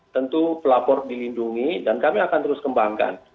tentu pelapor dilindungi dan kami akan terus kembangkan